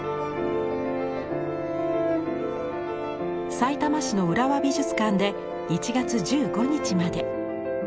さいたま市のうらわ美術館で１月１５日まで。